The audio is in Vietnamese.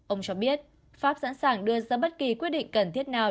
ông cho biết pháp sẵn sàng đưa ra bất kỳ quyết định cần thiết nào